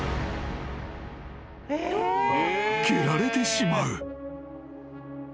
［蹴られてしまう］